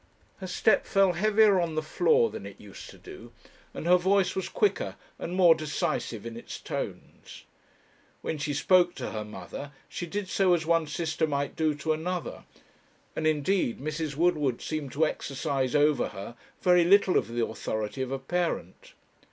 Her step fell heavier on the floor than it used to do, and her voice was quicker and more decisive in its tones. When she spoke to her mother, she did so as one sister might do to another; and, indeed, Mrs. Woodward seemed to exercise over her very little of the authority of a parent.